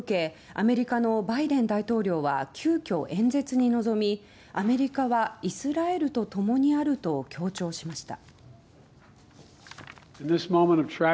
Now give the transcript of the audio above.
アメリカのバイデン大統領は急きょ、演説に臨みアメリカはイスラエルと共にあると強調しました。